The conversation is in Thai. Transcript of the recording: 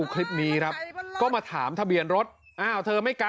โปรดติดตามตอนต่อไป